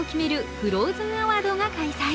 フローズン・アワードが開催。